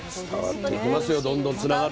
伝わっていきますよどんどんつながって。